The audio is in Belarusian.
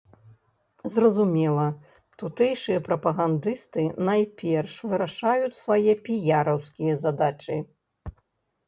Зразумела, тутэйшыя прапагандысты найперш вырашаюць свае піяраўскія задачы.